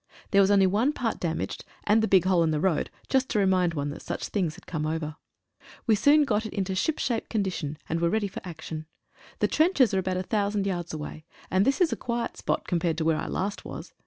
There was only one part damaged, and the big hole in the road just to re mind one that such things had come over. We soon got it into ship shape condition, and were ready for action. The trenches are about 1,000 yards away, and this is a quiet spot compared with where I last was.